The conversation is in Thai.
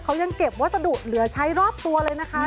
เขายังเก็บวัสดุเหลือใช้รอบตัวเลยนะคะ